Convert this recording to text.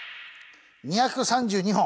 ２３２本！